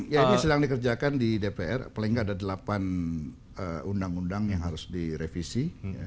ya ini sedang dikerjakan di dpr paling nggak ada delapan undang undang yang harus direvisi